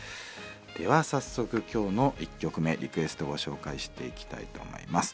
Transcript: では早速今日の１曲目リクエストご紹介していきたいと思います。